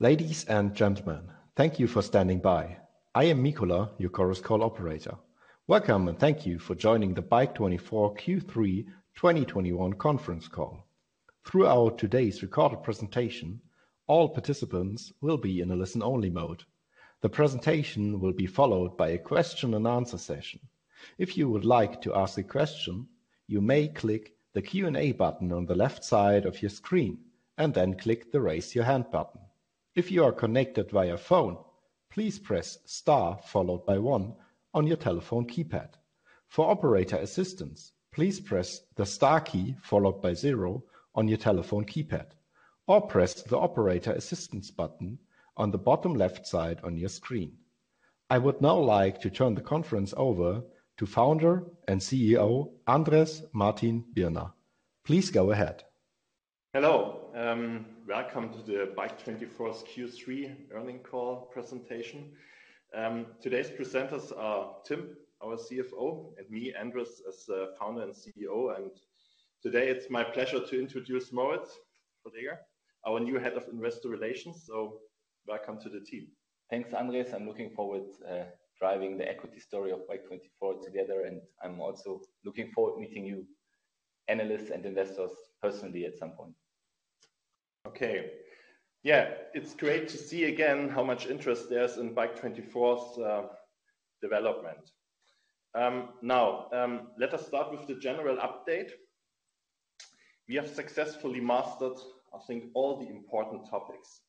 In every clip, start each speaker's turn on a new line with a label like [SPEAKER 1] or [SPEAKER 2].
[SPEAKER 1] Ladies and gentlemen, thank you for standing by. I am Mikola, your Chorus Call operator. Welcome and thank you for joining the BIKE24 Q3 2021 Conference Call. Throughout today's recorded presentation, all participants will be in a listen-only mode. The presentation will be followed by a Q&A session. If you would like to ask a question, you may click the Q&A button on the left side of your screen and then click the Raise Your Hand button. If you are connected via phone, please press star followed by one on your telephone keypad. For operator assistance, please press the star key followed by zero on your telephone keypad or press the operator assistance button on the bottom left side on your screen. I would now like to turn the conference over to Founder and CEO, Andrés Martin-Birner. Please go ahead.
[SPEAKER 2] Hello. Welcome to the BIKE24 Q3 Earnings Call presentation. Today's presenters are Timm, our CFO, and me, Andrés, as founder and CEO. Today it's my pleasure to introduce Moritz Verleger, our new head of investor relations. Welcome to the team.
[SPEAKER 3] Thanks, Andrés. I'm looking forward to driving the equity story of BIKE24 together, and I'm also looking forward to meeting you analysts and investors personally at some point.
[SPEAKER 2] Okay. Yeah, it's great to see again how much interest there is in BIKE24's development. Now, let us start with the general update. We have successfully mastered, I think, all the important topics.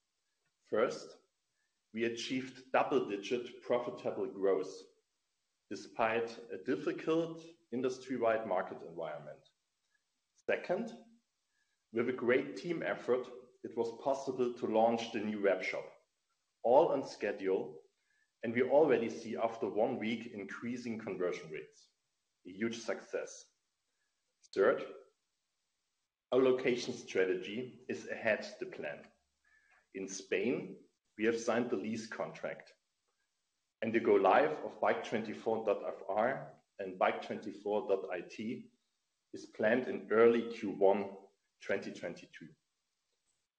[SPEAKER 2] First, we achieved double-digit profitable growth despite a difficult industry-wide market environment. Second, with a great team effort, it was possible to launch the new web shop, all on schedule, and we already see after one week increasing conversion rates. A huge success. Third, our location strategy is ahead of the plan. In Spain, we have signed the lease contract, and the go live of bike24.fr and bike24.it is planned in early Q1 2022.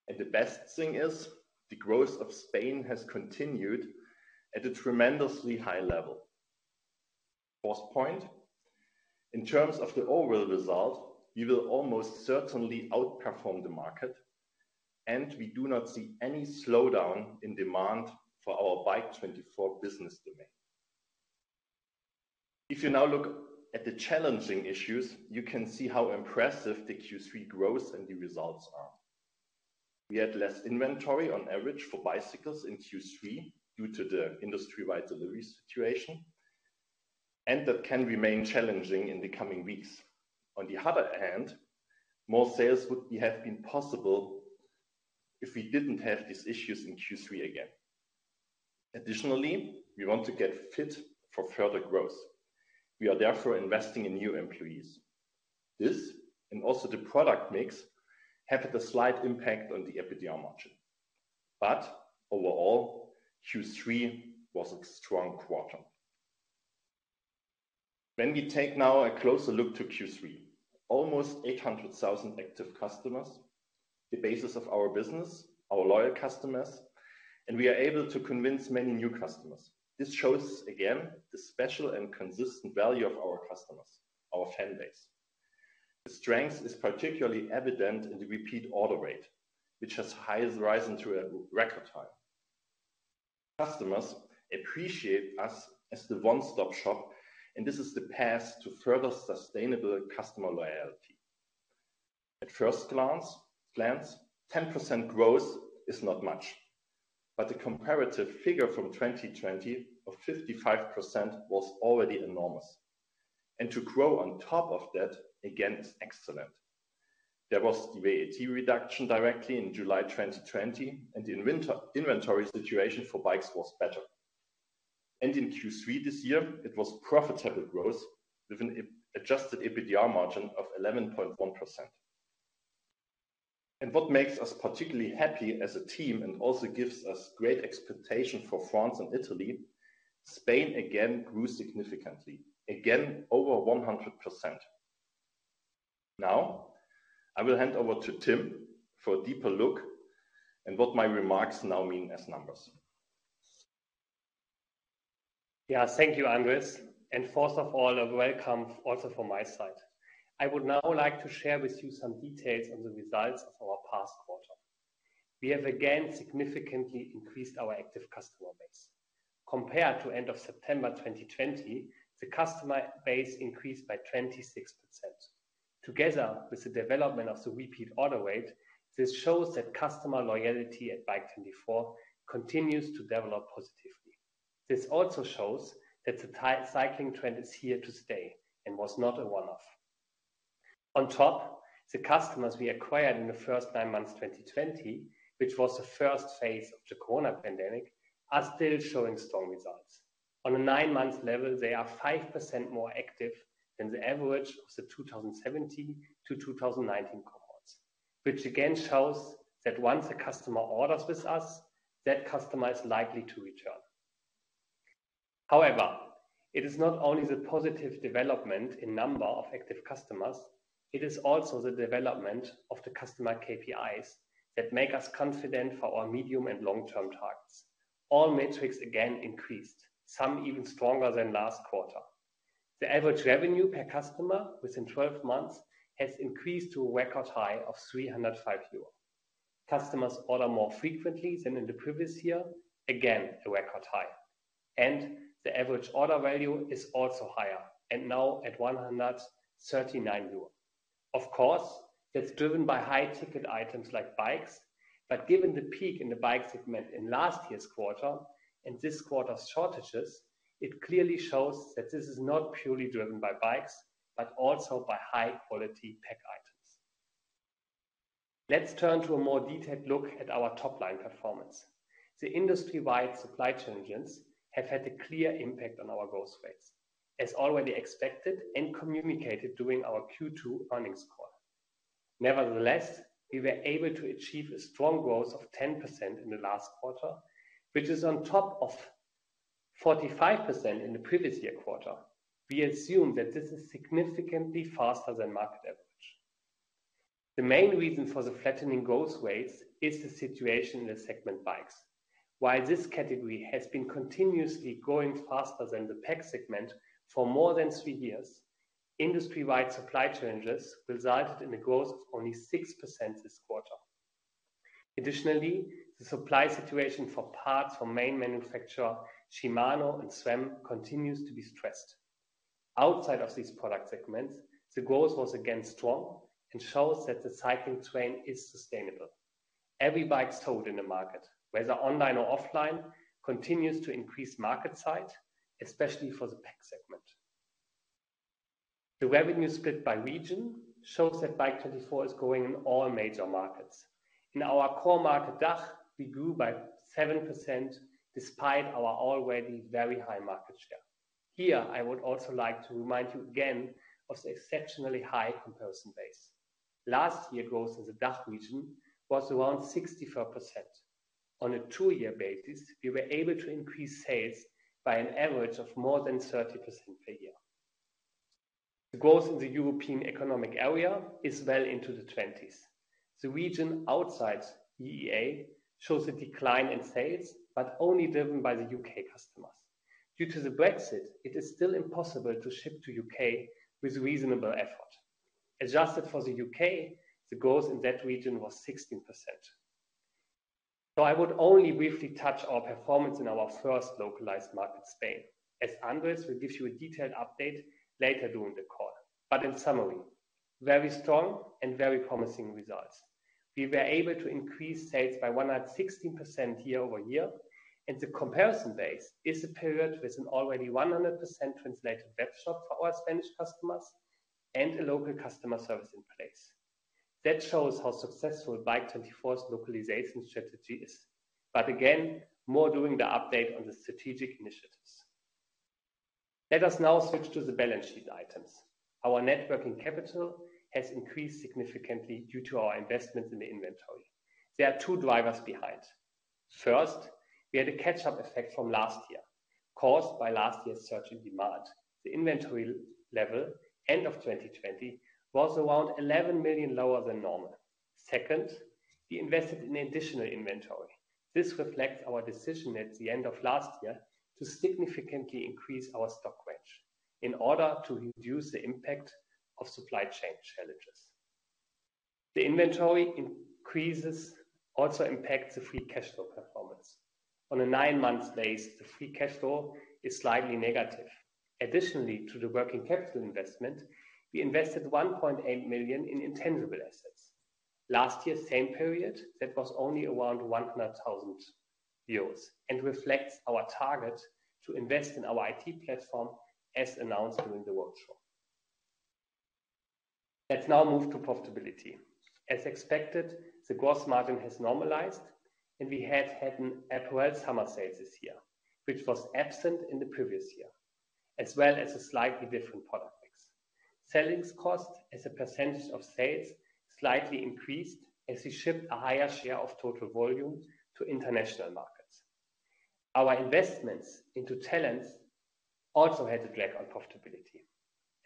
[SPEAKER 2] The best thing is the growth in Spain has continued at a tremendously high level. Fourth point, in terms of the overall result, we will almost certainly outperform the market, and we do not see any slowdown in demand for our BIKE24 business domain. If you now look at the challenging issues, you can see how impressive the Q3 growth and the results are. We had less inventory on average for bicycles in Q3 due to the industry-wide delivery situation, and that can remain challenging in the coming weeks. On the other hand, more sales would have been possible if we didn't have these issues in Q3 again. Additionally, we want to get fit for further growth. We are therefore investing in new employees. This, and also the product mix, had a slight impact on the EBITDA margin. Overall, Q3 was a strong quarter. When we take now a closer look at Q3. Almost 800,000 active customers, the basis of our business, our loyal customers, and we are able to convince many new customers. This shows again the special and consistent value of our customers, our fan base. The strength is particularly evident in the repeat order rate, which has highs rising through a record time. Customers appreciate us as the one-stop-shop, and this is the path to further sustainable customer loyalty. At first glance, 10% growth is not much, but the comparative figure from 2020 of 55% was already enormous. To grow on top of that again is excellent. There was the VAT reduction directly in July 2020, and the inventory situation for bikes was better. In Q3 this year, it was profitable growth with an adjusted EBITDA margin of 11.1%. What makes us particularly happy as a team and also gives us great expectation for France and Italy. Spain again grew significantly, again over 100%. Now I will hand over to Timm for a deeper look into what my remarks now mean as numbers.
[SPEAKER 4] Yeah. Thank you, Andrés. First of all, a welcome also from my side. I would now like to share with you some details on the results of our past quarter. We have again significantly increased our active customer base. Compared to end of September 2020, the customer base increased by 26%. Together with the development of the repeat order rate, this shows that customer loyalty at BIKE24 continues to develop positively. This also shows that the cycling trend is here to stay and was not a one-off. On top, the customers we acquired in the first nine months 2020, which was the first phase of the Coronavirus pandemic, are still showing strong results. On a nine-month level, they are 5% more active than the average of the 2017 to 2019 cohorts, which again shows that once a customer orders with us, that customer is likely to return. However, it is not only the positive development in number of active customers, it is also the development of the customer KPIs that make us confident for our medium and long-term targets. All metrics again increased, some even stronger than last quarter. The average revenue per customer within 12 months has increased to a record high of 305 euro. Customers order more frequently than in the previous year, again a record high, and the average order value is also higher, and now at 139 euro. Of course, that's driven by high-ticket items like bikes, but given the peak in the bike segment in last year's quarter and this quarter's shortages, it clearly shows that this is not purely driven by bikes, but also by high-quality pack items. Let's turn to a more detailed look at our top-line performance. The industry-wide supply challenges have had a clear impact on our growth rates, as already expected and communicated during our Q2 earnings call. Nevertheless, we were able to achieve a strong growth of 10% in the last quarter, which is on top of 45% in the previous year quarter. We assume that this is significantly faster than market average. The main reason for the flattening growth rates is the situation in the segment bikes. While this category has been continuously growing faster than the pack segment for more than three years, industry-wide supply challenges resulted in a growth of only 6% this quarter. Additionally, the supply situation for parts from main manufacturer Shimano and SRAM continues to be stressed. Outside of these product segments, the growth was again strong and shows that the cycling trend is sustainable. Every bike sold in the market, whether online or offline, continues to increase market size, especially for the pack segment. The revenue split by region shows that BIKE24 is growing in all major markets. In our core market, DACH, we grew by 7% despite our already very high market share. Here, I would also like to remind you again of the exceptionally high comparison base. Last year growth in the DACH region was around 64%. On a two-year basis, we were able to increase sales by an average of more than 30% per year. The growth in the European Economic Area is well into the 20s. The region outside EEA shows a decline in sales, but only driven by the U.K. customers. Due to the Brexit, it is still impossible to ship to U.K. with reasonable effort. Adjusted for the U.K., the growth in that region was 16%. I would only briefly touch our performance in our first localized market, Spain, as Andrés will give you a detailed update later during the call. In summary, very strong and very promising results. We were able to increase sales by 116% year-over-year, and the comparison base is a period with an already 100% translated web shop for our Spanish customers and a local customer service in place. That shows how successful BIKE24's localization strategy is. Again, more during the update on the strategic initiatives. Let us now switch to the balance sheet items. Our net working capital has increased significantly due to our investments in the inventory. There are two drivers behind. First, we had a catch-up effect from last year caused by last year's surge in demand. The inventory level end of 2020 was around 11 million lower than normal. Second, we invested in additional inventory. This reflects our decision at the end of last year to significantly increase our stock range in order to reduce the impact of supply chain challenges. The inventory increases also impact the free cash flow performance. On a nine-month basis, the Free Cash Flow is slightly negative. Additionally to the working capital investment, we invested 1.8 million in intangible assets. Last year same period, that was only around 100,000 euros and reflects our target to invest in our IT platform as announced during the workshop. Let's now move to profitability. As expected, the gross margin has normalized, and we have had an apparel summer sales this year, which was absent in the previous year, as well as a slightly different product mix. Selling costs as a percentage of sales slightly increased as we shipped a higher share of total volume to international markets. Our investments into talent also had a drag on profitability,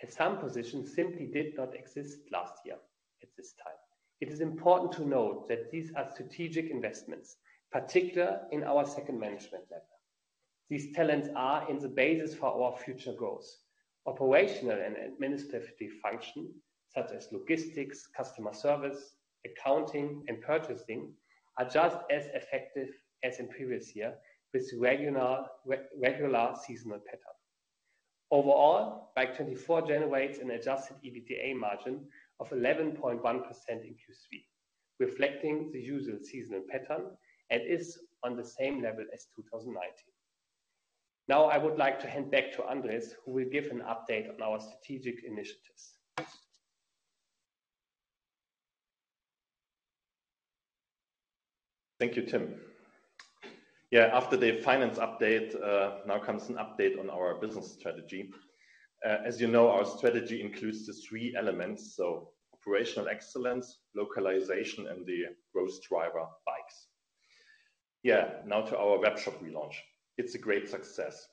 [SPEAKER 4] and some positions simply did not exist last year at this time. It is important to note that these are strategic investments, particularly in our second management level. These talents form the basis for our future growth. Operational and administrative functions, such as logistics, customer service, accounting, and purchasing, are just as effective as in previous year with regular seasonal pattern. Overall, BIKE24 generates an adjusted EBITDA margin of 11.1% in Q3, reflecting the usual seasonal pattern, and is on the same level as 2019. Now I would like to hand back to Andrés, who will give an update on our strategic initiatives.
[SPEAKER 2] Thank you, Timm. Yeah, after the finance update, now comes an update on our business strategy. As you know, our strategy includes the three elements: so operational excellence, localization, and the growth driver, bikes. Yeah. Now to our web shop relaunch. It's a great success.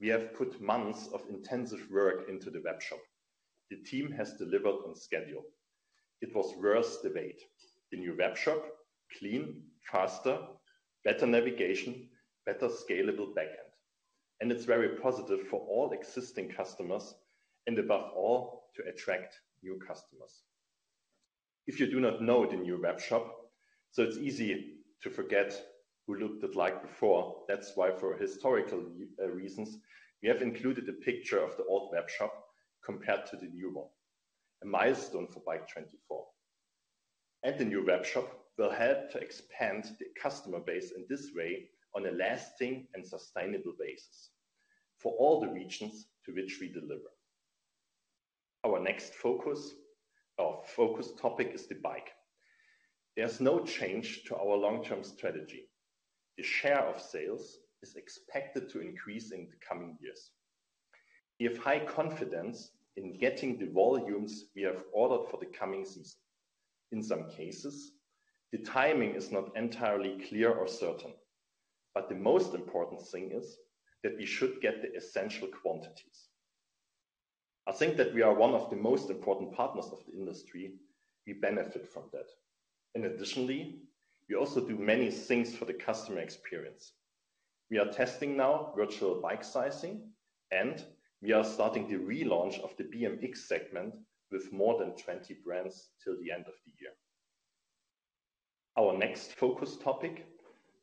[SPEAKER 2] We have put months of intensive work into the web shop. The team has delivered on schedule. It was worth the wait. The new web shop, clean, faster, better navigation, better scalable backend. It's very positive for all existing customers and above all, to attract new customers. If you do not know the new web shop, so it's easy to forget what it looked like before, that's why for historical reasons, we have included a picture of the old web shop compared to the new one. A milestone for BIKE24. The new web shop will help to expand the customer base in this way on a lasting and sustainable basis for all the regions to which we deliver. Our next focus or focus topic is the bike. There's no change to our long-term strategy. The share of sales is expected to increase in the coming years. We have high confidence in getting the volumes we have ordered for the coming season. In some cases, the timing is not entirely clear or certain, but the most important thing is that we should get the essential quantities. I think that we are one of the most important partners of the industry. We benefit from that. Additionally, we also do many things for the customer experience. We are testing now virtual bike sizing, and we are starting the relaunch of the BMX segment with more than 20 brands till the end of the year. Our next focus topic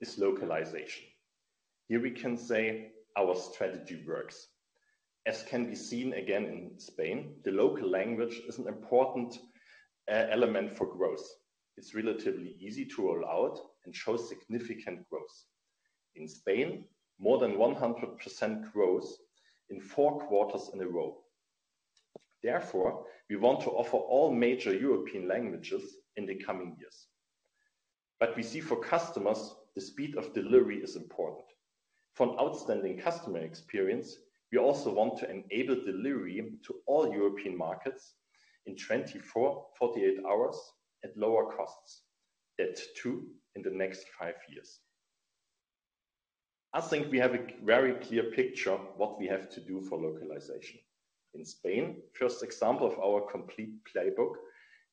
[SPEAKER 2] is localization. Here we can say our strategy works. As can be seen again in Spain, the local language is an important element for growth. It's relatively easy to roll out and shows significant growth. In Spain, more than 100% growth in four quarters in a row. Therefore, we want to offer all major European languages in the coming years. We see for customers, the speed of delivery is important. For an outstanding customer experience, we also want to enable delivery to all European markets in 24, 48 hours at lower costs, that too, in the next five years. I think we have a very clear picture what we have to do for localization. In Spain, first example of our complete playbook,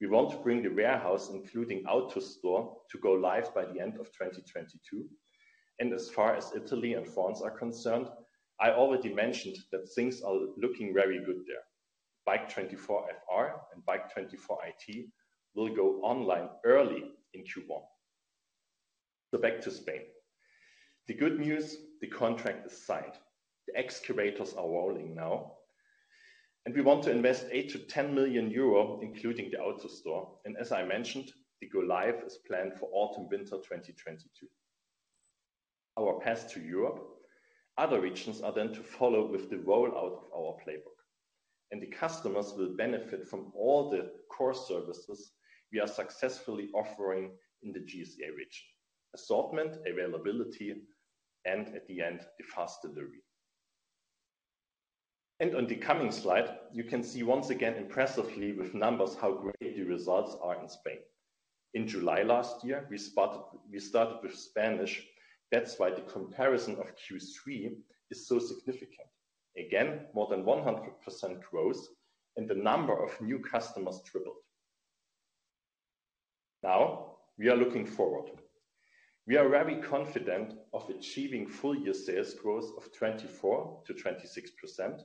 [SPEAKER 2] we want to bring the warehouse, including AutoStore, to go live by the end of 2022. As far as Italy and France are concerned, I already mentioned that things are looking very good there. BIKE24 FR and BIKE24 IT will go online early in Q1. Back to Spain. The good news, the contract is signed. The excavators are rolling now, and we want to invest 8 million-10 million euro, including the AutoStore. As I mentioned, the go live is planned for autumn/winter 2022. Our path to Europe, other regions are then to follow with the rollout of our playbook, and the customers will benefit from all the core services we are successfully offering in the GSA region, assortment, availability, and at the end, the fast delivery. On the coming slide, you can see once again impressively with numbers how great the results are in Spain. In July last year, we started with Spanish. That's why the comparison of Q3 is so significant. Again, more than 100% growth, and the number of new customers tripled. Now we are looking forward. We are very confident of achieving full year sales growth of 24%-26%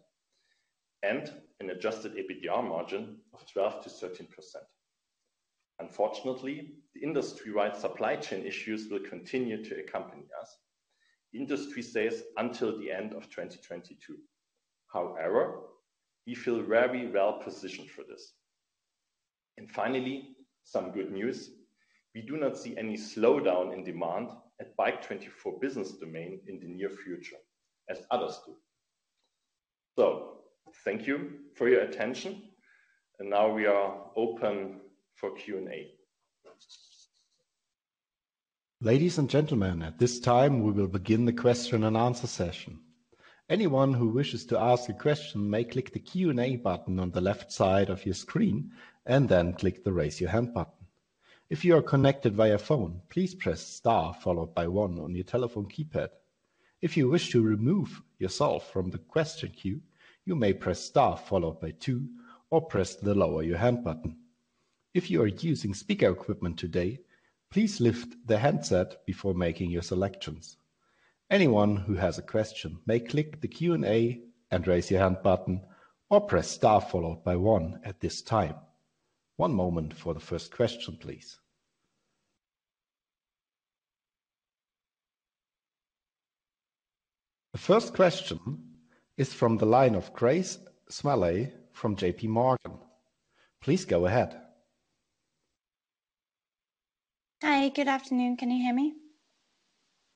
[SPEAKER 2] and an adjusted EBITDA margin of 12%-13%. Unfortunately, the industry-wide supply chain issues will continue to accompany us, industry says until the end of 2022. However, we feel very well positioned for this. Finally, some good news. We do not see any slowdown in demand at BIKE24 business domain in the near future as others do. Thank you for your attention, and now we are open for Q&A.
[SPEAKER 1] Ladies and gentlemen, at this time we will begin the Q&A session. Anyone who wishes to ask a question may click the Q&A button on the left side of your screen and then click the Raise Your Hand button. If you are connected via phone, please press star followed by one on your telephone keypad. If you wish to remove yourself from the question queue, you may press star followed by two or press the Lower Your Hand button. If you are using speaker equipment today, please lift the handset before making your selections. Anyone who has a question may click the Q&A and Raise Your Hand button or press star followed by one at this time. One moment for the first question, please. The first question is from the line of Grace Smalley from JP Morgan. Please go ahead.
[SPEAKER 5] Hi. Good afternoon. Can you hear me?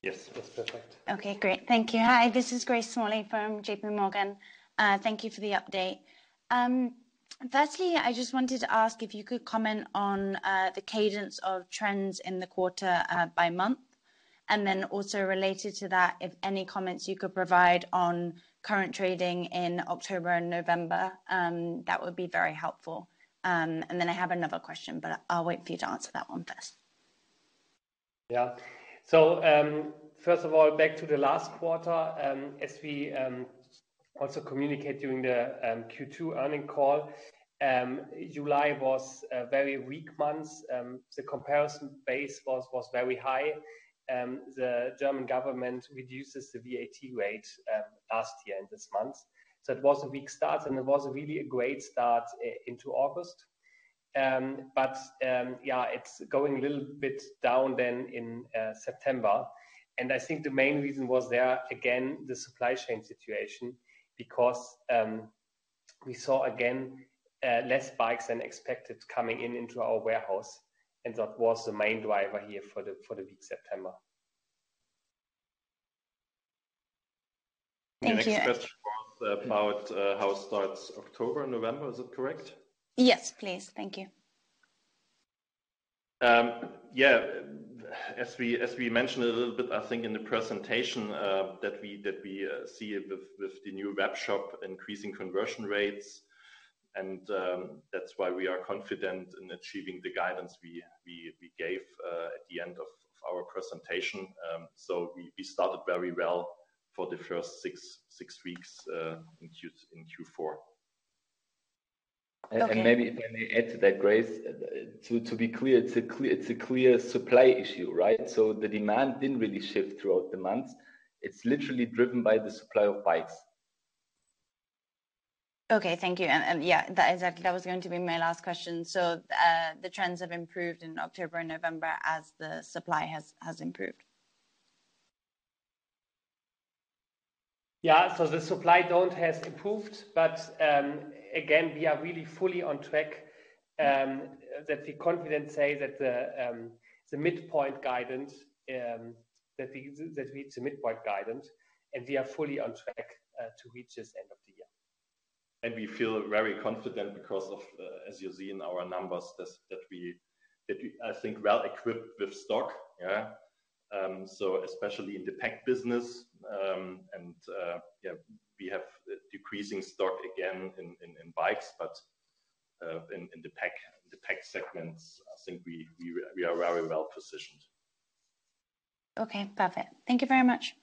[SPEAKER 2] Yes. That's perfect.
[SPEAKER 5] Okay, great. Thank you. Hi, this is Grace Smalley from JP Morgan. Thank you for the update. Firstly, I just wanted to ask if you could comment on the cadence of trends in the quarter by month. Then also related to that, if any comments you could provide on current trading in October and November, that would be very helpful. I have another question, but I'll wait for you to answer that one first.
[SPEAKER 4] Yeah. First of all, back to the last quarter, as we also communicate during the Q2 earning call, July was a very weak month. The comparison base was very high. The German government reduced the VAT rate last year in this month. It was a weak start, and it was really a great start into August. Yeah, it's going a little bit down then in September. I think the main reason was there, again, the supply chain situation, because we saw again less bikes than expected coming into our warehouse, and that was the main driver here for the weak September.
[SPEAKER 5] Thank you.
[SPEAKER 2] The next question was about how starts October, November. Is it correct?
[SPEAKER 5] Yes, please. Thank you.
[SPEAKER 2] Yeah, as we mentioned a little bit, I think, in the presentation, that we see with the new web shop increasing conversion rates and that's why we are confident in achieving the guidance we gave at the end of our presentation. We started very well for the first six weeks in Q4.
[SPEAKER 5] Okay.
[SPEAKER 3] Maybe if I may add to that, Grace, to be clear, it's a clear supply issue, right? The demand didn't really shift throughout the months. It's literally driven by the supply of bikes.
[SPEAKER 5] Okay. Thank you. Yeah, that was going to be my last question. The trends have improved in October and November as the supply has improved.
[SPEAKER 4] Yeah. The supply has improved, but again, we are really fully on track that we can confidently say that the midpoint guidance, it's a midpoint guidance, and we are fully on track to reach the end of the year.
[SPEAKER 2] We feel very confident because, as you see in our numbers, I think we are well equipped with stock. Yeah. So especially in the PAC business, and yeah, we have decreasing stock again in bikes, but in the PAC segments, I think we are very well positioned.
[SPEAKER 5] Okay, perfect. Thank you very much.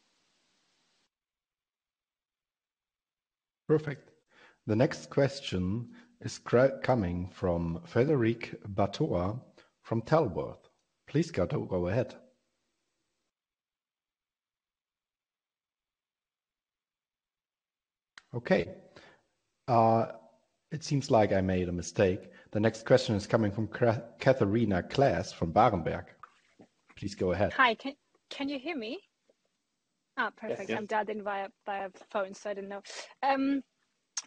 [SPEAKER 1] Perfect. The next question is coming from Frederick Batua. Please go ahead. Okay, it seems like I made a mistake. The next question is coming from Catharina Claes from Berenberg. Please go ahead.
[SPEAKER 6] Hi. Can you hear me? Perfect.
[SPEAKER 1] Yes. Yeah.
[SPEAKER 6] I'm dialed in via phone, so I didn't know.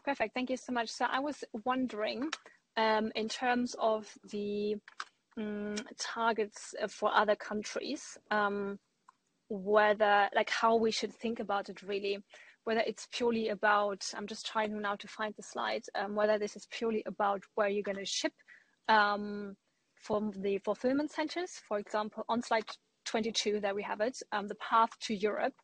[SPEAKER 6] Perfect. Thank you so much. I was wondering in terms of the targets for other countries whether like how we should think about it really whether it's purely about. I'm just trying now to find the slides. Whether this is purely about where you're gonna ship from the fulfillment centers. For example, on slide 22, there we have it, the path to Europe.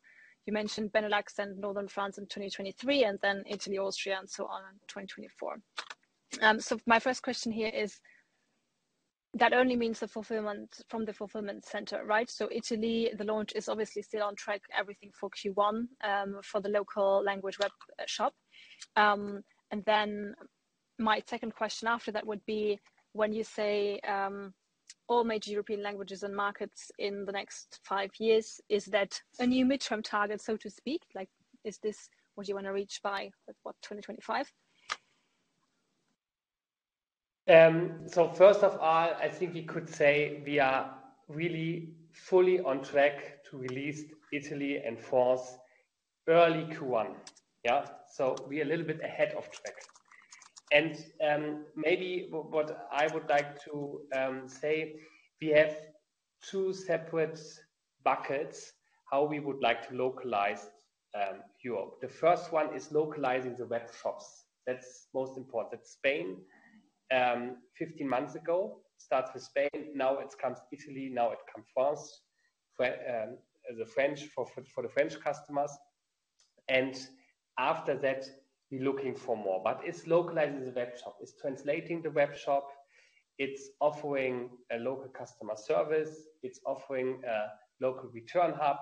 [SPEAKER 6] You mentioned Benelux and Northern France in 2023 and then Italy, Austria and so on in 2024. My first question here is that only means the fulfillment from the fulfillment center, right? Italy, the launch is obviously still on track, everything for Q1 for the local language web shop. My second question after that would be, when you say all major European languages and markets in the next five years, is that a new midterm target, so to speak? Like, is this what you wanna reach by, what, 2025?
[SPEAKER 4] First of all, I think we could say we are really fully on track to release Italy and France early Q1. Yeah. We're a little bit ahead of track. Maybe what I would like to say, we have two separate buckets, how we would like to localize Europe. The first one is localizing the web shops. That's most important. Spain, 15 months ago, start with Spain, now it comes Italy, now it comes France for the French customers. After that, we looking for more. It's localizing the web shop. It's translating the web shop, it's offering a local customer service, it's offering a local return hub,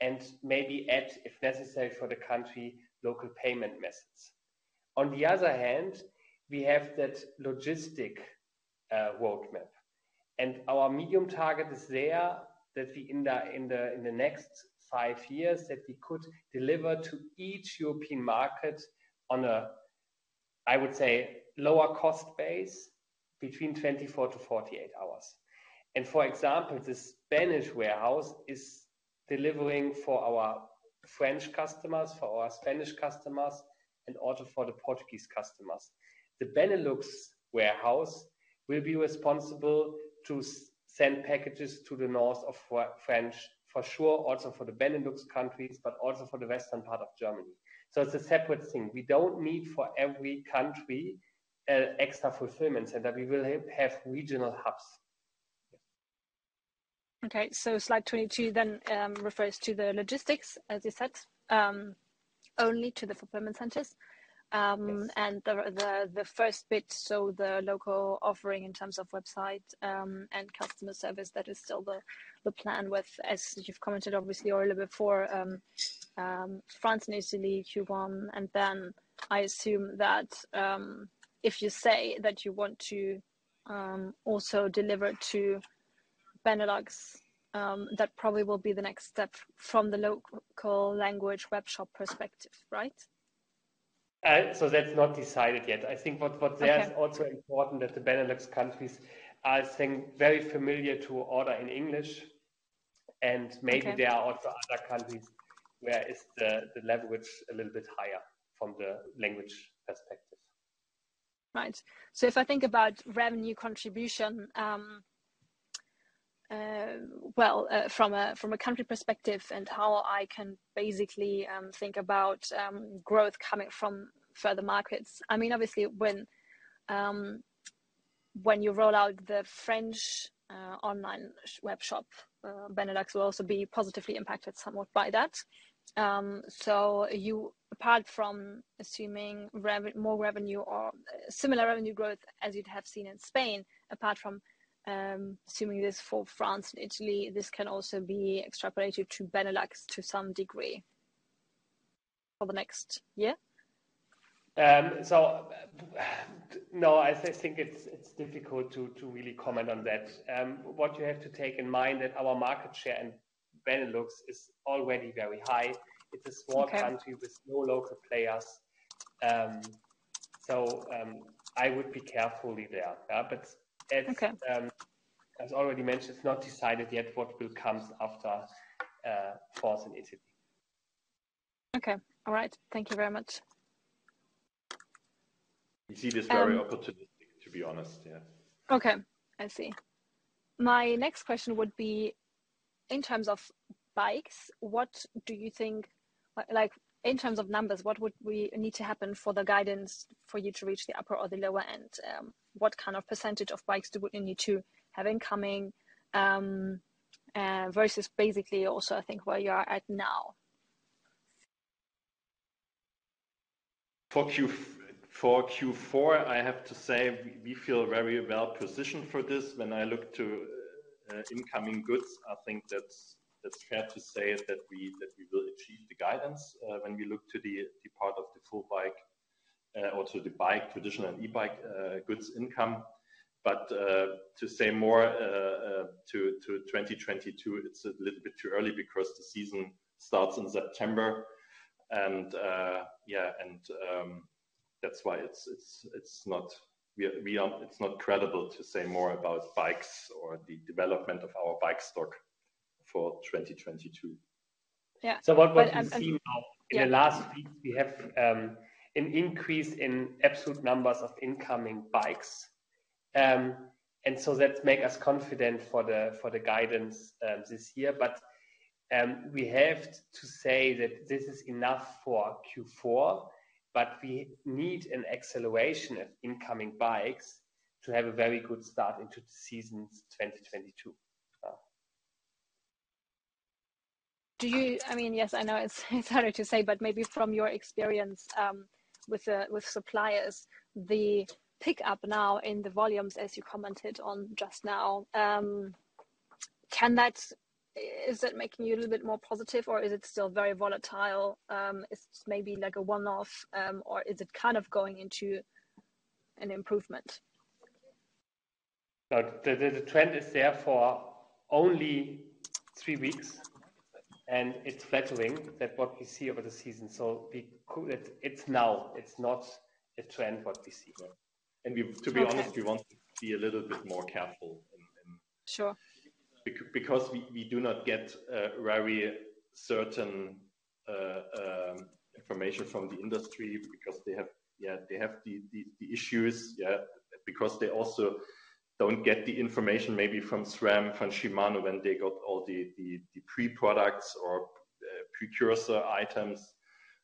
[SPEAKER 4] and maybe add, if necessary for the country, local payment methods. On the other hand, we have that logistics roadmap, and our medium-term target is there, that we in the next five years could deliver to each European market on a, I would say, lower cost base between 24-48 hours. For example, the Spanish warehouse is delivering for our French customers, for our Spanish customers, and also for the Portuguese customers. The Benelux warehouse will be responsible to send packages to the north of French for sure, also for the Benelux countries, but also for the western part of Germany. It's a separate thing. We don't need for every country an extra fulfillment center. We will have regional hubs.
[SPEAKER 6] Okay. Slide 22 then refers to the logistics, as you said, only to the fulfillment centers. The first bit, so the local offering in terms of website and customer service, that is still the plan with, as you've commented obviously earlier before, France and Italy, Q1. I assume that, if you say that you want to also deliver to Benelux, that probably will be the next step from the local language web shop perspective, right?
[SPEAKER 4] That's not decided yet. I think what there is also important that the Benelux countries are, I think, very familiar to order in English, and maybe there are also other countries where it's the level, which a little bit higher from the language perspective.
[SPEAKER 6] Right. If I think about revenue contribution, well, from a country perspective and how I can basically think about growth coming from further markets. I mean, obviously when you roll out the French online web shop, Benelux will also be positively impacted somewhat by that. Apart from assuming more revenue or similar revenue growth as you'd have seen in Spain, apart from assuming this for France and Italy, this can also be extrapolated to Benelux to some degree for the next year.
[SPEAKER 4] No, I think it's difficult to really comment on that. What you have to bear in mind is that our market share in Benelux is already very high. It's a small country with small local players. I would be careful there. Yeah.
[SPEAKER 6] Okay.
[SPEAKER 4] As already mentioned, it's not decided yet what will comes after, France and Italy.
[SPEAKER 6] Okay. All right. Thank you very much.
[SPEAKER 2] We see this very opportunistic, to be honest. Yeah.
[SPEAKER 6] Okay, I see. My next question would be, in terms of bikes, what do you think like in terms of numbers, what would need to happen for the guidance for you to reach the upper or the lower end? What kind of percentage of bikes do would you need to have incoming versus basically also I think where you are at now?
[SPEAKER 2] For Q4, I have to say we feel very well positioned for this. When I look to incoming goods, I think that's fair to say that we will achieve the guidance when we look to the part of the full bike or to the bike, traditional e-bike, goods income. To say more to 2022, it's a little bit too early because the season starts in September and that's why it's not credible to say more about bikes or the development of our bike stock for 2022.
[SPEAKER 6] Yeah.
[SPEAKER 4] What we see now, in the last week, we have an increase in absolute numbers of incoming bikes. That make us confident for the guidance this year. We have to say that this is enough for Q4, but we need an acceleration of incoming bikes to have a very good start into the season 2022.
[SPEAKER 6] I mean, yes, I know it's harder to say, but maybe from your experience with suppliers, the pickup now in the volumes, as you commented on just now, can that, is it making you a little bit more positive or is it still very volatile, it's maybe like a one-off or is it kind of going into an improvement?
[SPEAKER 4] No. The trend is there for only three weeks and it's flattering that what we see over the season. It's now, it's not a trend what we see.
[SPEAKER 2] Yeah. To be honest, we want to be a little bit more careful and.
[SPEAKER 6] Sure.
[SPEAKER 2] Because we do not get very certain information from the industry because they have the issues because they also don't get the information maybe from SRAM, from Shimano when they got all the pre-products or precursor items.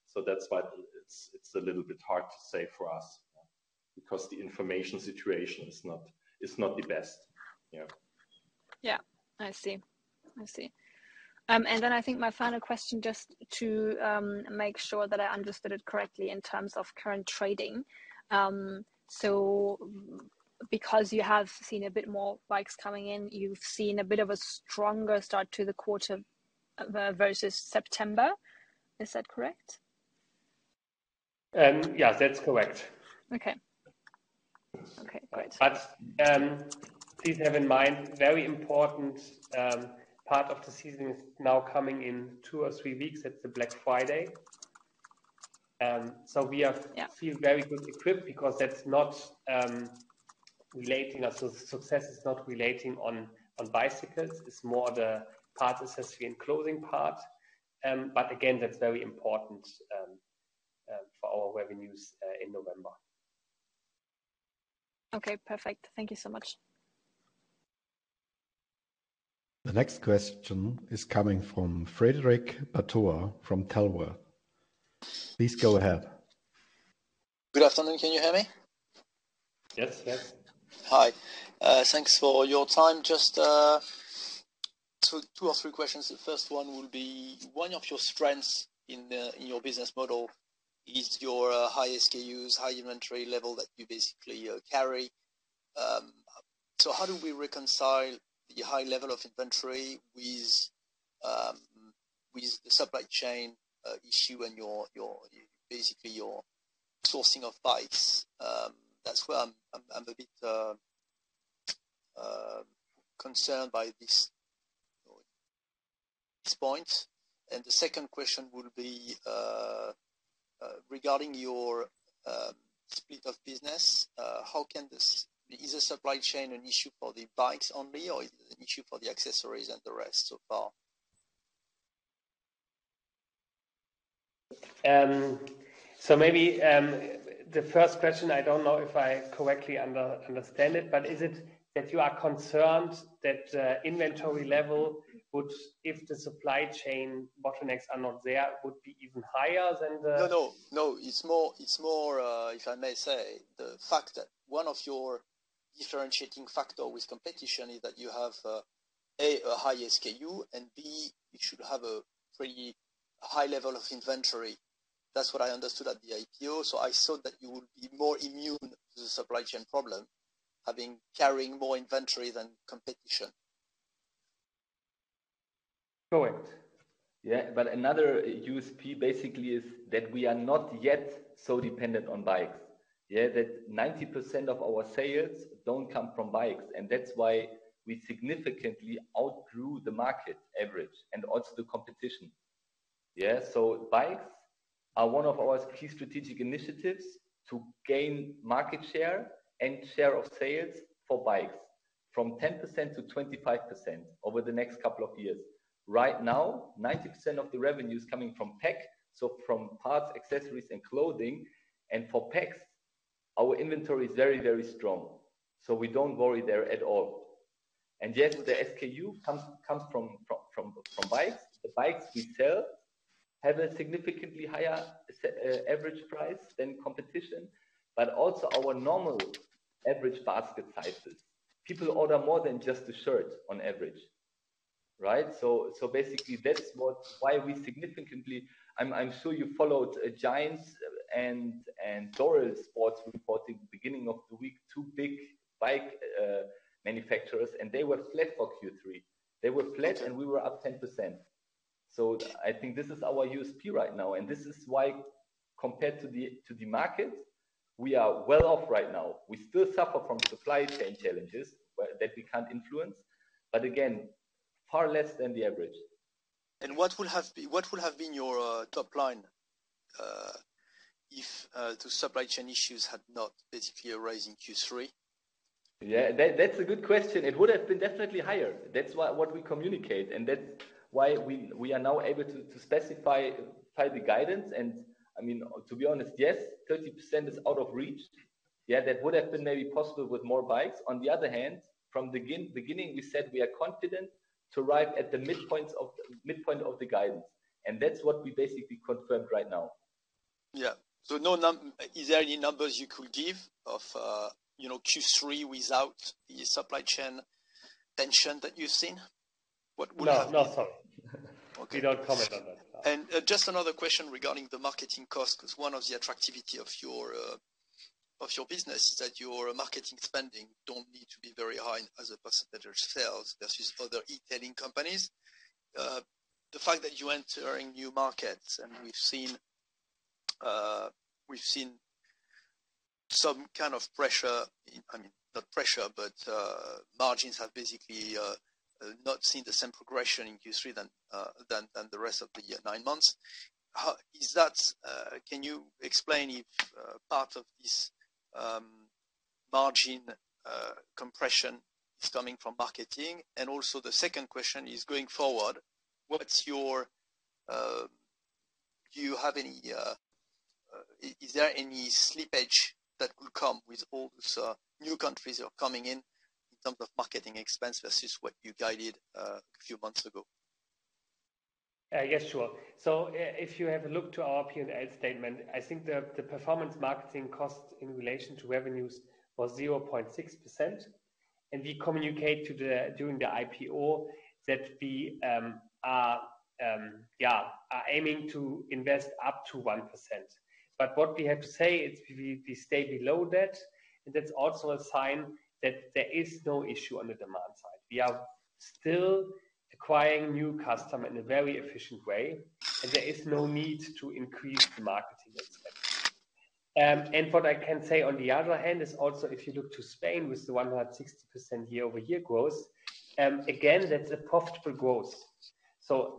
[SPEAKER 2] So that's why it's a little bit hard to say for us, because the information situation is not the best.
[SPEAKER 6] Yeah. I see. I think my final question, just to make sure that I understood it correctly in terms of current trading. Because you have seen a bit more bikes coming in, you've seen a bit of a stronger start to the quarter, versus September. Is that correct?
[SPEAKER 4] Yeah. That's correct.
[SPEAKER 6] Okay. Okay, great.
[SPEAKER 4] Please have in mind, very important, part of the season is now coming in two or three weeks. That's the Black Friday.
[SPEAKER 6] Yeah.
[SPEAKER 4] We feel very well equipped because success is not relying on bicycles, it's more the parts, accessories and clothing part. Again, that's very important for our revenues in November.
[SPEAKER 6] Okay. Perfect. Thank you so much.
[SPEAKER 1] The next question is coming from Frederick Batua from Talbot. Please go ahead.
[SPEAKER 7] Good afternoon. Can you hear me?
[SPEAKER 4] Yes. Yes.
[SPEAKER 7] Hi. Thanks for your time. Just two or three questions. The first one will be one of your strengths in your business model is your high SKUs, high inventory level that you basically carry. So how do we reconcile the high level of inventory with the supply chain issue and your basically your sourcing of bikes? That's where I'm a bit concerned by this point. The second question would be regarding your speed of business. Is the supply chain an issue for the bikes only, or is it an issue for the accessories and the rest so far?
[SPEAKER 4] Maybe the first question, I don't know if I correctly understand it, but is it that you are concerned that inventory level, if the supply chain bottlenecks are not there, would be even higher than the
[SPEAKER 7] No. It's more, if I may say, the fact that one of your differentiating factor with competition is that you have, A, a high SKU and B, you should have a pretty high level of inventory. That's what I understood at the IPO. I thought that you would be more immune to the supply chain problem, by carrying more inventory than competition.
[SPEAKER 3] Correct. Another USP basically is that we are not yet so dependent on bikes. That 90% of our sales don't come from bikes, and that's why we significantly outgrew the market average and also the competition. Bikes are one of our key strategic initiatives to gain market share and share of sales for bikes from 10% to 25% over the next couple of years. Right now, 90% of the revenue is coming from PAC, so from parts, accessories, and clothing. For PACs, our inventory is very, very strong, so we don't worry there at all. Yes, the SKU comes from bikes. The bikes we sell have a significantly higher average price than competition, but also our normal average basket sizes. People order more than just a shirt on average, right? I'm sure you followed Giant and Dorel Sports reporting beginning of the week, two big bike manufacturers, and they were flat for Q3. They were flat, and we were up 10%. I think this is our USP right now, and this is why, compared to the market, we are well off right now. We still suffer from supply chain challenges that we can't influence, but again, far less than the average.
[SPEAKER 7] What would have been your top line if the supply chain issues had not basically arisen in Q3?
[SPEAKER 3] Yeah. That's a good question. It would have been definitely higher. That's why what we communicate, and that's why we are now able to specify, refine the guidance. I mean, to be honest, yes, 30% is out of reach. Yeah, that would have been maybe possible with more bikes. On the other hand, from beginning, we said we are confident to arrive at the midpoint of the guidance, and that's what we basically confirmed right now.
[SPEAKER 7] Is there any numbers you could give of Q3 without the supply chain tension that you've seen? What would have-
[SPEAKER 4] No, no, sorry.
[SPEAKER 7] Okay.
[SPEAKER 4] We don't comment on that.
[SPEAKER 7] Just another question regarding the marketing cost, 'cause one of the attractivity of your business is that your marketing spending don't need to be very high as a percentage of sales versus other e-tailing companies. The fact that you're entering new markets, and we've seen some kind of pressure. I mean, not pressure, but margins have basically not seen the same progression in Q3 than the rest of the year, nine months. Is that? Can you explain if part of this margin compression is coming from marketing? Also the second question is, going forward, what's your. Do you have any. Is there any slippage that could come with all these new countries you're coming in in terms of marketing expense versus what you guided a few months ago?
[SPEAKER 4] Yes, sure. If you have a look to our P&L statement, I think the performance marketing cost in relation to revenues was 0.6%, and we communicate during the IPO that we are aiming to invest up to 1%. What we have to say is we stay below that, and that's also a sign that there is no issue on the demand side. We are still acquiring new customer in a very efficient way, and there is no need to increase the marketing expense. What I can say on the other hand is also if you look to Spain with the 160% year-over-year growth, again, that's a profitable growth.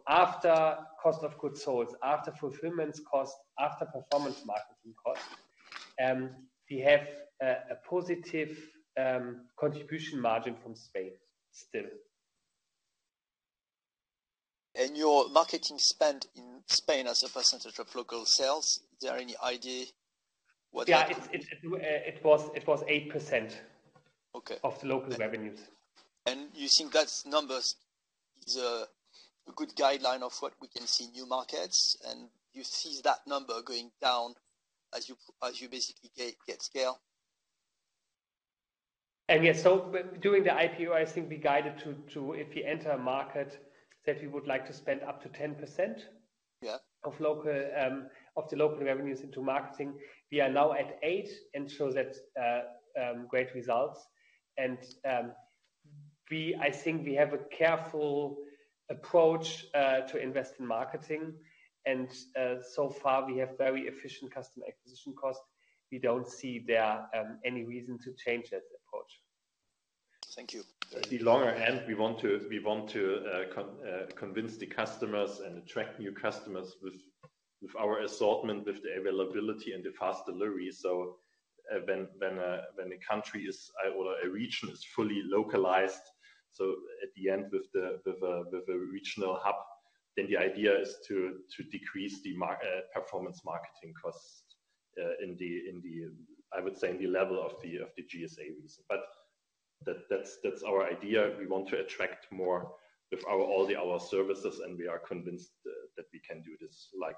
[SPEAKER 4] After cost of goods sold, after fulfillment cost, after performance marketing cost, we have a positive contribution margin from Spain still.
[SPEAKER 7] Your marketing spend in Spain as a percentage of local sales, is there any idea what that?
[SPEAKER 4] Yeah. It was 8%.
[SPEAKER 7] Okay.
[SPEAKER 4] Of local revenues.
[SPEAKER 7] You think that number is a good guideline of what we can see in new markets, and you see that number going down as you basically get scale?
[SPEAKER 4] Yes. During the IPO, I think we guided to if we enter a market that we would like to spend up to 10%.
[SPEAKER 7] Yeah
[SPEAKER 4] of the local revenues into marketing. We are now at 8%, and so that's great results. I think we have a careful approach to invest in marketing. So far we have very efficient customer acquisition costs. We don't see there any reason to change that approach.
[SPEAKER 7] Thank you.
[SPEAKER 2] At the longer end, we want to convince the customers and attract new customers with our assortment, with the availability and the fast delivery. When the country is or a region is fully localized, at the end with the regional hub, then the idea is to decrease the performance marketing costs in the, I would say, in the level of the GSAs. That's our idea. We want to attract more with all our services, and we are convinced that we can do this like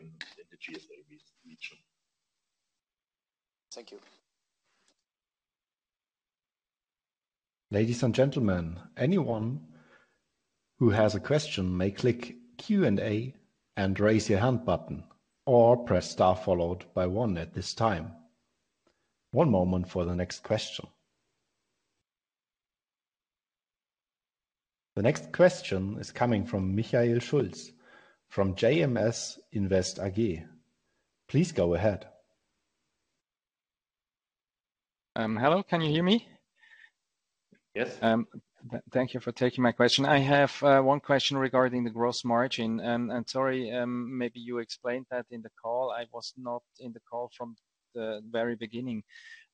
[SPEAKER 2] in the GSAs region.
[SPEAKER 7] Thank you.
[SPEAKER 1] Ladies and gentlemen, anyone who has a question may click Q&A and raise your hand button or press star followed by one at this time. One moment for the next question. The next question is coming from Michael Schulz from JMS Invest AG. Please go ahead.
[SPEAKER 8] Hello, can you hear me?
[SPEAKER 2] Yes.
[SPEAKER 8] Thank you for taking my question. I have one question regarding the gross margin. Sorry, maybe you explained that in the call. I was not in the call from the very beginning.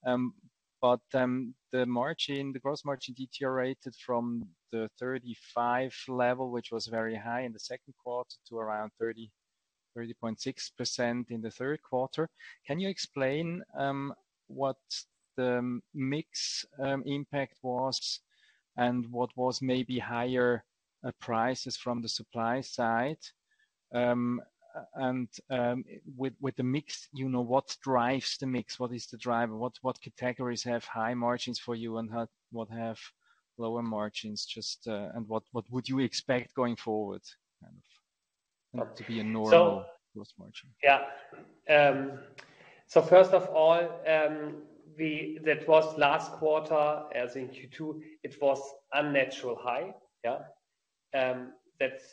[SPEAKER 8] The margin, the gross margin deteriorated from the 35% level, which was very high in the second quarter, to around 30.6% in the third quarter. Can you explain what the mix impact was and what was maybe higher prices from the supply side? With the mix, you know, what drives the mix? What is the driver? What categories have high margins for you and what have lower margins? Just and what would you expect going forward, kind of, you know, to be a normal-
[SPEAKER 4] So-
[SPEAKER 8] Gross margin?
[SPEAKER 4] First of all, that was last quarter, as in Q2, it was unnaturally high. That's,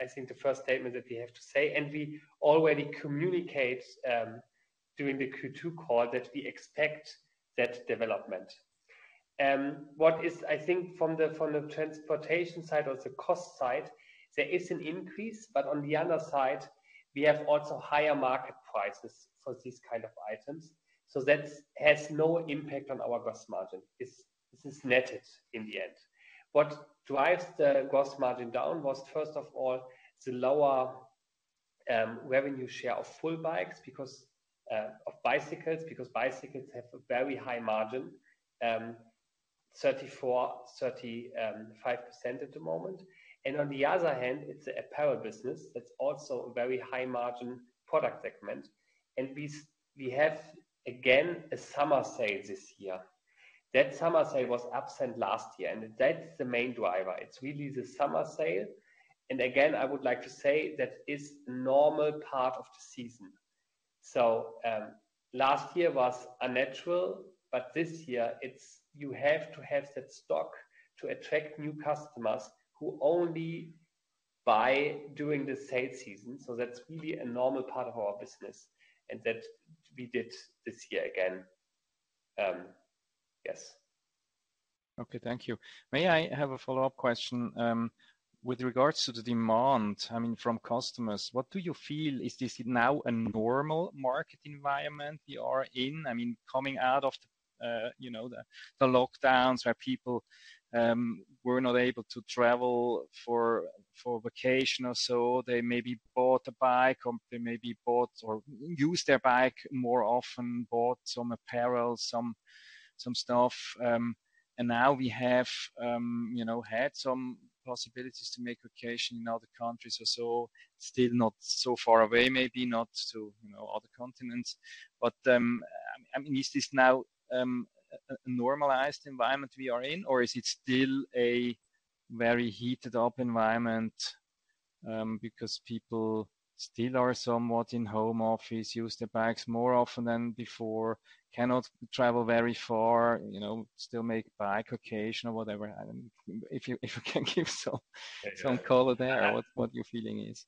[SPEAKER 4] I think the first statement that we have to say, and we already communicated during the Q2 call that we expect that development. I think from the transportation side or the cost side, there is an increase. On the other side, we have also higher market prices for this kind of items. That has no impact on our gross margin. It's netted in the end. What drives the gross margin down was, first of all, the lower revenue share of full bikes because bicycles have a very high margin, 34%-35% at the moment. On the other hand, it's the apparel business. That's also a very high-margin product segment. We have, again, a summer sale this year. That summer sale was absent last year, and that's the main driver. It's really the summer sale. Again, I would like to say that is normal part of the season. Last year was unnatural, but this year it's you have to have that stock to attract new customers who only buy during the sale season. That's really a normal part of our business, and that we did this year again. Yes.
[SPEAKER 8] Okay. Thank you. May I have a follow-up question? With regards to the demand, I mean, from customers, what do you feel is this now a normal market environment we are in? I mean, coming out of the, you know, the lockdowns where people were not able to travel for vacation or so, they maybe bought a bike or they maybe bought or used their bike more often, bought some apparel, some stuff. Now we have, you know, had some possibilities to make vacation in other countries or so. Still not so far away, maybe not to, you know, other continents. I mean, is this now a normalized environment we are in or is it still a very heated up environment, because people still are somewhat in home office, use their bikes more often than before, cannot travel very far, you know, still make bike occasion or whatever. If you can give some-
[SPEAKER 4] Yeah, yeah...
[SPEAKER 8] some color there, what your feeling is.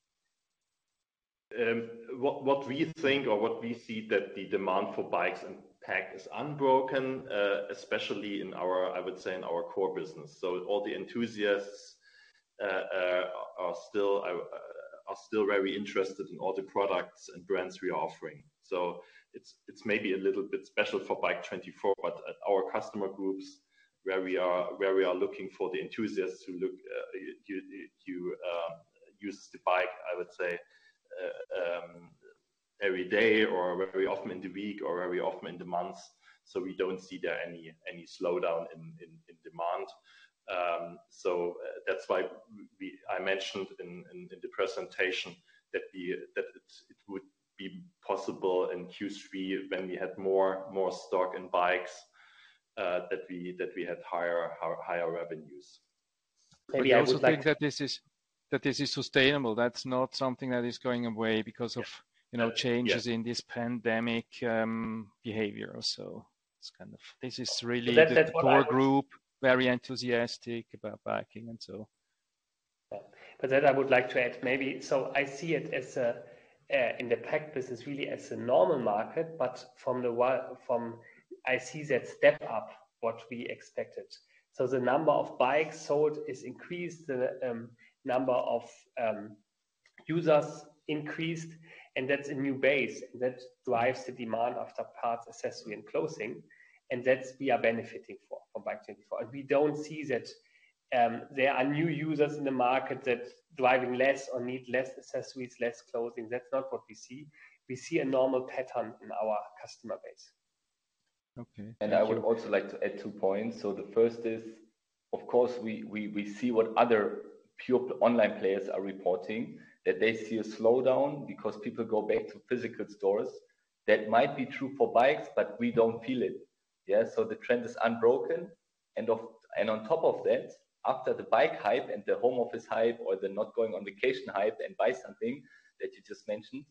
[SPEAKER 2] What we think or what we see that the demand for bikes and parts is unbroken, especially in our core business. All the enthusiasts are still very interested in all the products and brands we are offering. It's maybe a little bit special for BIKE24, but at our customer groups where we are looking for the enthusiasts who use the bike, I would say. Every day or very often in the week or very often in the month. We don't see there any slowdown in demand. That's why I mentioned in the presentation that it would be possible in Q3 when we had more stock in bikes that we had higher revenues.
[SPEAKER 3] Maybe I would like.
[SPEAKER 8] You also think that this is sustainable. That's not something that is going away because of-
[SPEAKER 2] Yeah.
[SPEAKER 8] you know, changes in this pandemic behavior. This is really-
[SPEAKER 4] That what I-
[SPEAKER 8] the core group, very enthusiastic about biking and so.
[SPEAKER 4] Yeah. That I would like to add maybe. I see it as a in the PAC business really as a normal market, but from I see that step up what we expected. The number of bikes sold is increased, the number of users increased, and that's a new base, and that drives the demand for parts, accessory and clothing, and that's we are benefiting from BIKE24. We don't see that there are new users in the market that driving less or need less accessories, less clothing. That's not what we see. We see a normal pattern in our customer base.
[SPEAKER 8] Okay. Thank you.
[SPEAKER 3] I would also like to add two points. The first is, of course, we see what other pure online players are reporting, that they see a slowdown because people go back to physical stores. That might be true for bikes, but we don't feel it. Yeah. The trend is unbroken. On top of that, after the bike hype and the home office hype or the not going on vacation hype and buy something that you just mentioned,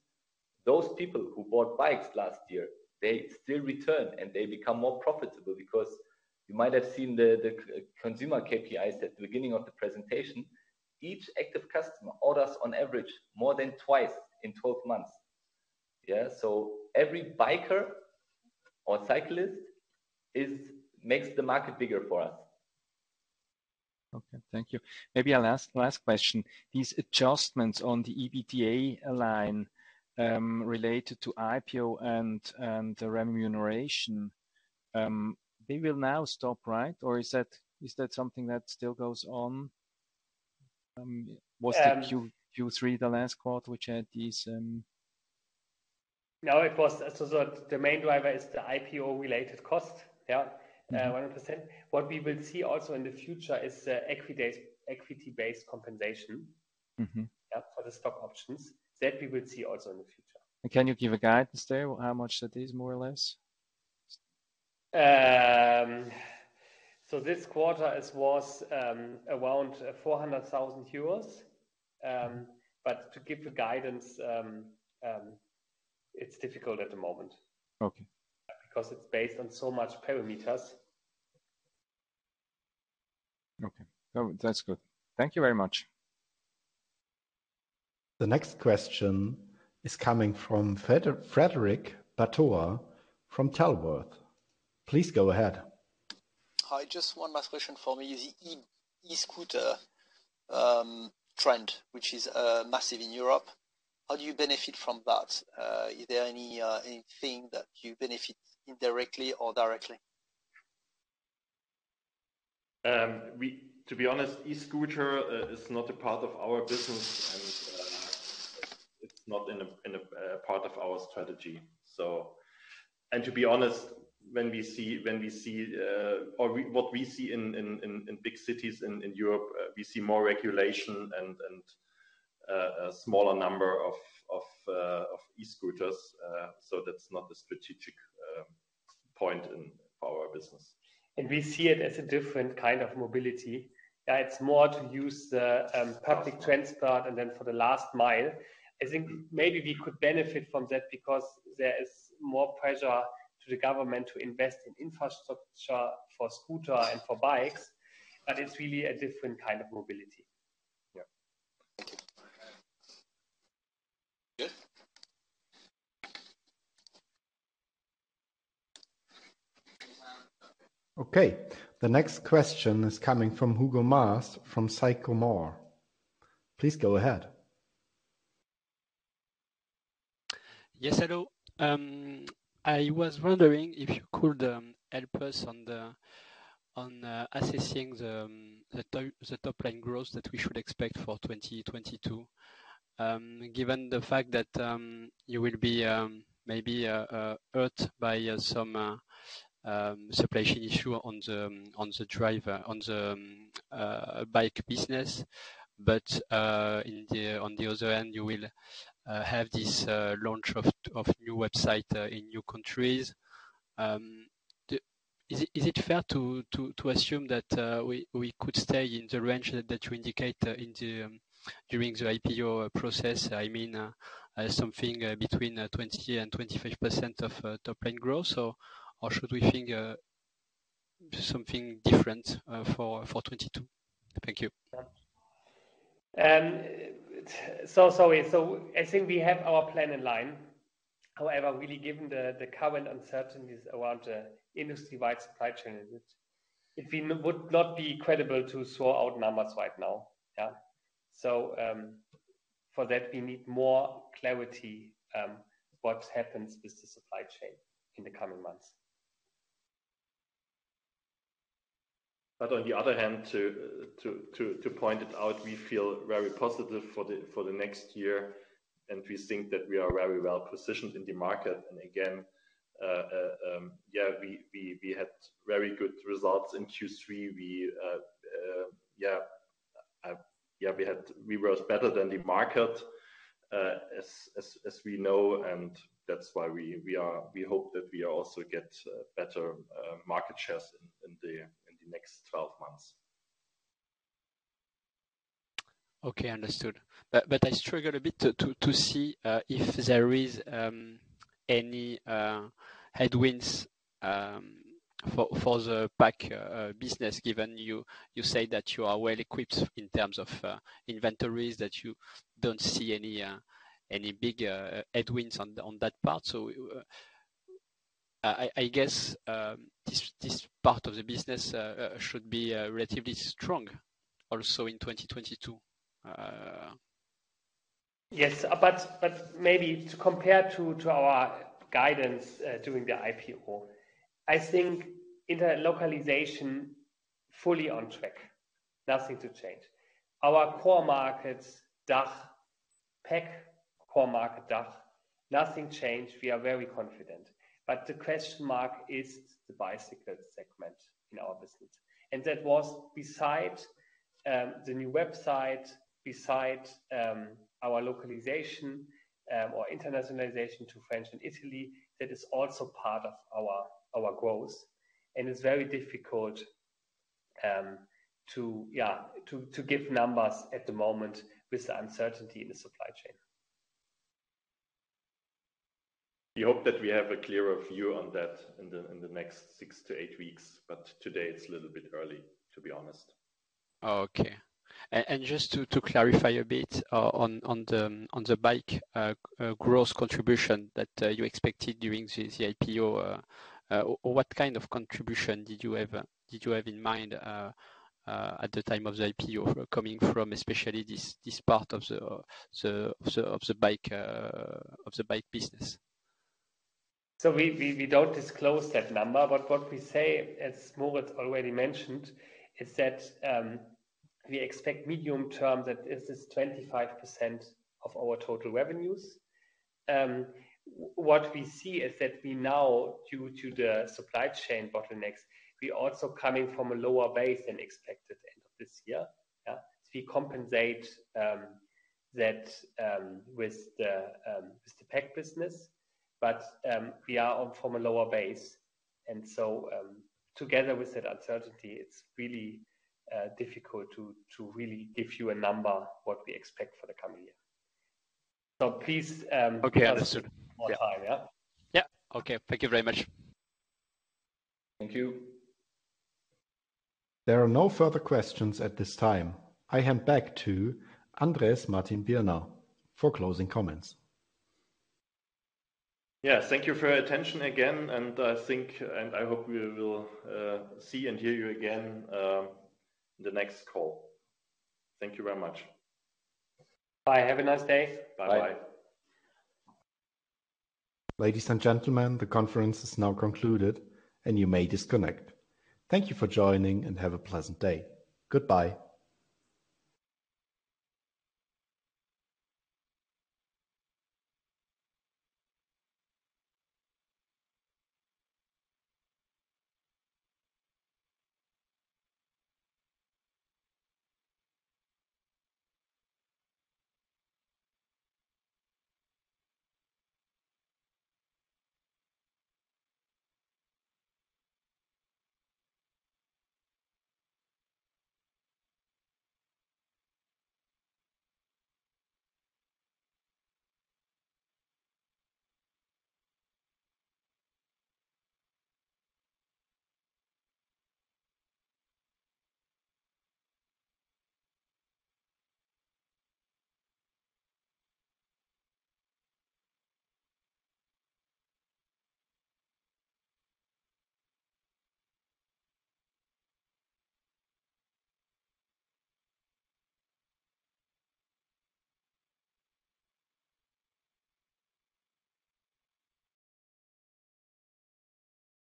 [SPEAKER 3] those people who bought bikes last year, they still return, and they become more profitable because you might have seen the consumer KPIs at the beginning of the presentation. Each active customer orders on average more than twice in 12 months. Yeah. Every biker or cyclist makes the market bigger for us.
[SPEAKER 8] Okay. Thank you. Maybe I'll ask last question. These adjustments on the EBITDA line related to IPO and the remuneration, they will now stop, right? Or is that something that still goes on? Was the Q3 the last quarter which had these?
[SPEAKER 4] No, it was. The main driver is the IPO-related cost. Yeah. 100%. What we will see also in the future is equity-based compensation
[SPEAKER 8] Mm-hmm.
[SPEAKER 4] For the stock options. That we will see also in the future.
[SPEAKER 8] Can you give a guidance there? How much that is more or less?
[SPEAKER 4] This quarter was around 400,000 euros. To give a guidance, it's difficult at the moment.
[SPEAKER 8] Okay.
[SPEAKER 4] Because it's based on so much parameters.
[SPEAKER 8] Okay. No, that's good. Thank you very much.
[SPEAKER 1] The next question is coming from Frederick Batua from Talbot. Please go ahead.
[SPEAKER 7] Hi. Just one last question for me. Is the e-scooter trend, which is massive in Europe, how do you benefit from that? Is there anything that you benefit indirectly or directly?
[SPEAKER 2] To be honest, e-scooter is not a part of our business, and it's not in a part of our strategy, so. To be honest, when we see what we see in big cities in Europe, we see more regulation and a smaller number of e-scooters. So that's not a strategic point in our business.
[SPEAKER 4] We see it as a different kind of mobility. It's more to use the public transport and then for the last mile. I think maybe we could benefit from that because there is more pressure to the government to invest in infrastructure for scooter and for bikes, but it's really a different kind of mobility.
[SPEAKER 2] Yeah.
[SPEAKER 7] Good.
[SPEAKER 1] Okay. The next question is coming from Hugo Mas from Sycomore. Please go ahead.
[SPEAKER 9] Yes, hello. I was wondering if you could help us on assessing the top-line growth that we should expect for 2022. Given the fact that you will be maybe hurt by some supply issue on the bike business. On the other hand, you will have this launch of new website in new countries. Is it fair to assume that we could stay in the range that you indicate during the IPO process? I mean, something between 20% and 25% top line growth or should we think something different for 2022? Thank you.
[SPEAKER 4] Sorry. I think we have our plan in line. However, really, given the current uncertainties around the industry-wide supply chain, we would not be credible to sort out numbers right now. Yeah. For that, we need more clarity, what happens with the supply chain in the coming months.
[SPEAKER 2] On the other hand, to point it out, we feel very positive for the next year, and we think that we are very well positioned in the market. We had very good results in Q3. We rose better than the market, as we know, and that's why we hope that we also get better market shares in the next 12 months.
[SPEAKER 9] Okay. Understood. I struggle a bit to see if there is any headwinds for the parts business, given you say that you are well-equipped in terms of inventories, that you don't see any big headwinds on that part. I guess this part of the business should be relatively strong also in 2022.
[SPEAKER 4] Yes. Maybe to compare to our guidance during the IPO, I think in the localization, fully on track. Nothing to change. Our core markets, DACH. Our core market, DACH. Nothing changed. We are very confident. The question mark is the bicycle segment in our business. That was beside the new website, beside our localization or internationalization to France and Italy, that is also part of our growth. It's very difficult to give numbers at the moment with the uncertainty in the supply chain.
[SPEAKER 2] We hope that we have a clearer view on that in the next six to eight weeks. Today it's a little bit early, to be honest.
[SPEAKER 9] Oh, okay. Just to clarify a bit on the bike growth contribution that you expected during the IPO, what kind of contribution did you have in mind at the time of the IPO coming from especially this part of the bike business?
[SPEAKER 4] We don't disclose that number. What we say, as Moritz already mentioned, is that we expect medium-term, that is 25% of our total revenues. What we see is that we now, due to the supply chain bottlenecks, we're also coming from a lower base than expected end of this year. We compensate that with the pack business. We are on from a lower base. Together with that uncertainty, it's really difficult to really give you a number what we expect for the coming year. Please
[SPEAKER 9] Okay. Understood.
[SPEAKER 4] Give us more time. Yeah.
[SPEAKER 9] Yeah. Okay. Thank you very much.
[SPEAKER 4] Thank you.
[SPEAKER 1] There are no further questions at this time. I hand back to Andrés Martin-Birner for closing comments.
[SPEAKER 2] Yes. Thank you for your attention again, and I think, and I hope we will see and hear you again, in the next call. Thank you very much.
[SPEAKER 4] Bye. Have a nice day.
[SPEAKER 2] Bye.
[SPEAKER 4] Bye.
[SPEAKER 1] Ladies and gentlemen, the conference is now concluded, and you may disconnect. Thank you for joining, and have a pleasant day. Goodbye.